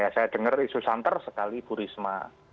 saya dengar isu santer sekali bu risma